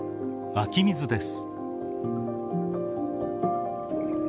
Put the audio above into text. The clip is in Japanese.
湧き水です。